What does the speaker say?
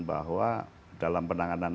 bahwa dalam penanganan